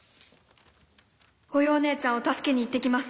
「おようねえちゃんを助けに行ってきます。